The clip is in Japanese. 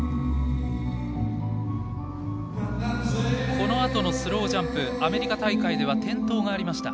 このあとのスロージャンプアメリカ大会では転倒がありました。